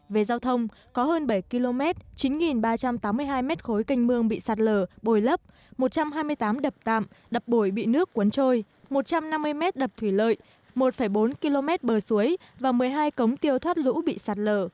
về giao thông có hơn bảy km chín ba trăm tám mươi hai mét khối canh mương bị sạt lở bồi lấp một trăm hai mươi tám đập tạm đập bồi bị nước cuốn trôi một trăm năm mươi mét đập thủy lợi một bốn km bờ suối và một mươi hai cống tiêu thoát lũ bị sạt lở